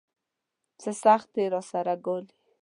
څه سختۍ راسره ګالي.